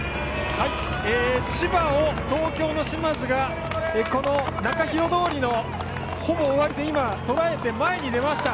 千葉を東京の嶋津が中広通りのほぼ終わりでとらえて前に出ました。